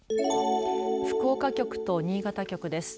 福岡局と新潟局です。